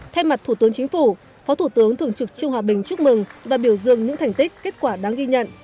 thay mặt thủ tướng chính phủ phó thủ tướng thường trực trương hòa bình chúc mừng và biểu dương những thành tích kết quả đáng ghi nhận